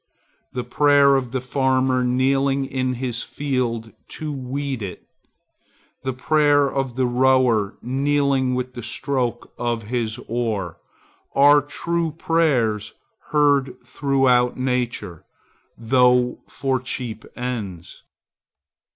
The prayer of the farmer kneeling in his field to weed it, the prayer of the rower kneeling with the stroke of his oar, are true prayers heard throughout nature, though for cheap ends.